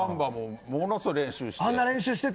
ものすごい練習して。